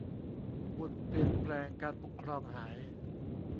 หมุดเปลี่ยนแปลงการปกครองหาย